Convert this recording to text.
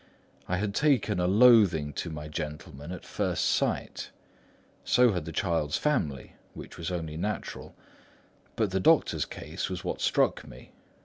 I had taken a loathing to my gentleman at first sight. So had the child's family, which was only natural. But the doctor's case was what struck me.